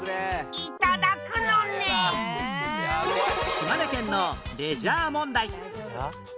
島根県のレジャー問題